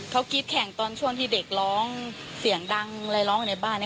เขาคิดแข่งตอนช่วงที่เด็กร้องเสียงดังอะไรร้องอยู่ในบ้าน